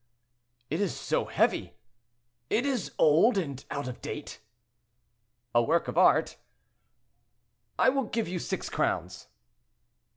"It is so heavy." "It is old and out of date." "A work of art." "I will give you six crowns."